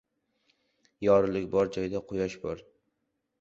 Yorug‘lik bor joyda, quyosh bor joyda